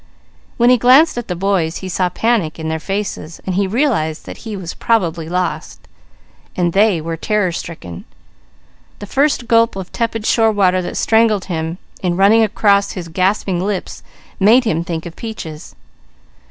When he glanced at the boys he saw panic in their faces, and he realized that he was probably lost, and they were terror stricken. The first gulp of tepid shore water that strangled him in running across his gasping lips made him think of Peaches.